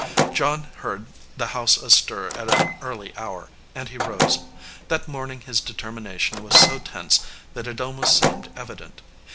John heard the house astir at an early hour, and he rose. That morning his determination was so tense that it almost seemed evident.